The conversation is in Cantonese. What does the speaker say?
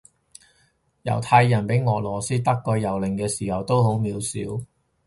猶太人畀俄羅斯德國蹂躪嘅時候都好渺小